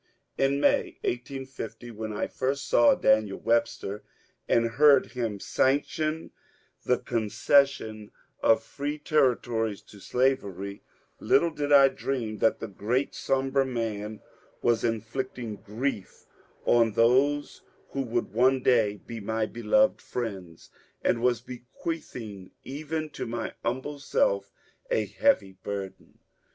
In May, 1850, when I first saw Daniel Webster and heard 226 MONCURE DANIEL CONWAY him sanction the concession of free territories to slavery, little did I dream that the great sombre man was inflicting grief on those who would one day be my beloved friends, and was bequeathing even to my humble self a heavy burden.